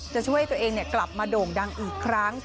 จะช่วยตัวเองกลับมาโด่งดังอีกครั้ง